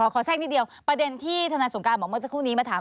แทรกนิดเดียวประเด็นที่ธนายสงการบอกเมื่อสักครู่นี้มาถาม